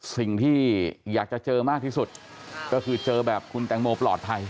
สิ่งที่อยากจะเจอมากที่สุดก็คือเจอแบบคุณแตงโมปลอดภัย